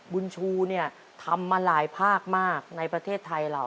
บุญชูเนี่ยทำมาหลายภาคมากในประเทศไทยเรา